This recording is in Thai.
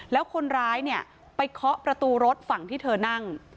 แล้วคนร้ายเนี่ยไปเคาะประตูรถฝั่งที่เธอนั่ง